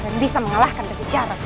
dan bisa mengalahkan berkejaran